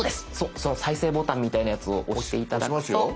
その再生ボタンみたいなやつを押して頂くと。